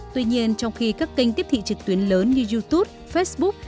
tuy nhiên trong khi các kênh tiếp thị trực tuyến lớn như youtube facebook